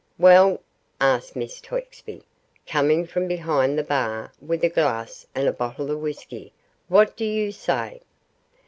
'Well?' asked Miss Twexby, coming from behind the bar with a glass and a bottle of whisky, 'what do you say?